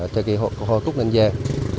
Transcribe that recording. cho cây hoa cúc ninh giang